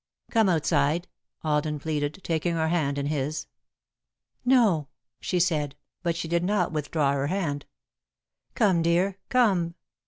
"Come outside," Alden pleaded, taking her hand in his. "No," she said, but she did not withdraw her hand. "Come, dear come!"